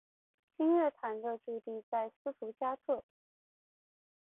新乐团的驻地在斯图加特。